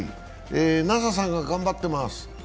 奈紗さんが頑張ってます。